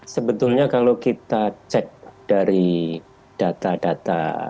sebetulnya kalau kita cek dari data data